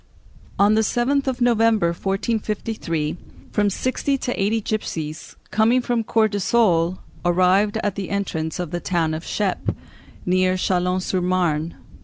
On the 7th of November, 1453, from sixty to eighty gipsies, coming from Courtisolles, arrived at the entrance of the town of Cheppe, near Châlons sur Marne.